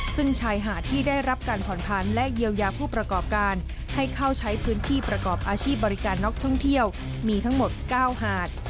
ซึ่งชายหาดที่ได้รับการผ่อนพันธ์และเยียวยาผู้ประกอบการให้เข้าใช้พื้นที่ประกอบอาชีพบริการนักท่องเที่ยวมีทั้งหมด๙หาด